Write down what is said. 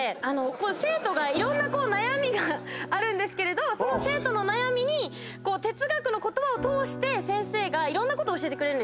生徒がいろんな悩みがあるんですけれどその生徒の悩みに哲学の言葉を通して先生がいろんなことを教えてくれる。